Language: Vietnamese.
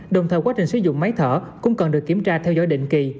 đồng thời quá trình sử dụng máy thở cũng cần được kiểm tra theo dõi định kỳ